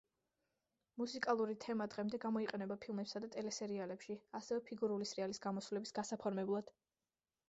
მუსიკალური თემა დღემდე გამოიყენება ფილმებსა და ტელესერიალებში, ასევე ფიგურული სრიალის გამოსვლების გასაფორმებლად.